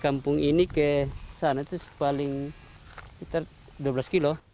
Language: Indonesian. kampung ini ke sana itu sekitar dua belas km